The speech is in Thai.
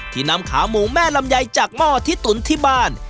นำขาหมูแม่ลำไยจากหม้อที่ตุ๋นที่บ้าน